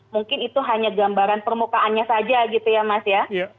mungkin itu hanya gambaran permukaannya saja gitu ya mas ya